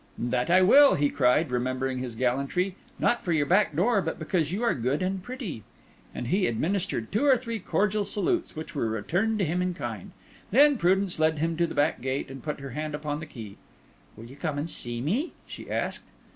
"That I will," he cried, remembering his gallantry, "not for your back door, but because you are good and pretty." And he administered two or three cordial salutes, which were returned to him in kind. Then Prudence led him to the back gate, and put her hand upon the key. "Will you come and see me?" she asked.